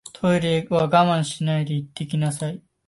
トイレは我慢しないで行ってきなさい